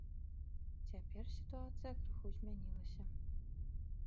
Цяпер сітуацыя крыху змянілася.